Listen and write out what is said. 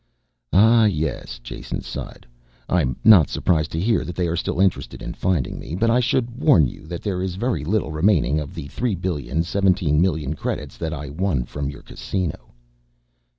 "Ah, yes," Jason sighed. "I'm not surprised to hear that they are still interested in finding me. But I should warn you that there is very little remaining of the three billion, seventeen million credits that I won from your casino."